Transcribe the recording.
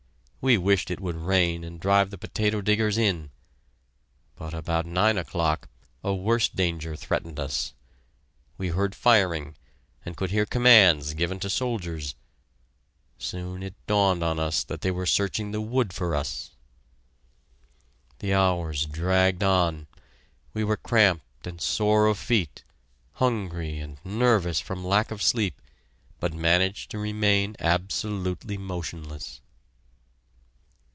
We wished it would rain and drive the potato diggers in. But about nine o'clock a worse danger threatened us. We heard firing, and could hear commands given to soldiers. Soon it dawned on us that they were searching the wood for us. The hours dragged on. We were cramped and sore of feet, hungry, and nervous from lack of sleep, but managed to remain absolutely motionless.